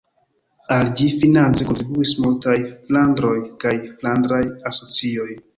Al ĝi finance kontribuis multaj flandroj kaj flandraj asocioj.